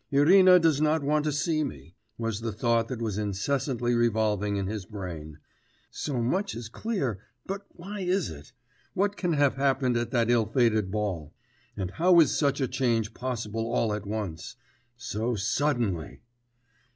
'Irina does not want to see me,' was the thought that was incessantly revolving in his brain; 'so much is clear; but why is it? What can have happened at that ill fated ball? And how is such a change possible all at once? So suddenly....